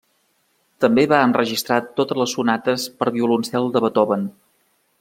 També va enregistrar totes les sonates per a violoncel de Beethoven.